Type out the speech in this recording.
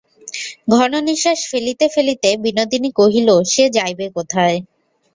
ঘন নিশ্বাস ফেলিতে ফেলিতে বিনোদিনী কহিল, সে যাইবে কোথায়।